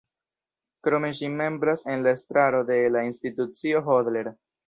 Krome ŝi membras en la estraro de la Institucio Hodler.